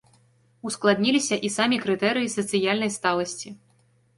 Ускладніліся і самі крытэрыі сацыяльнай сталасці.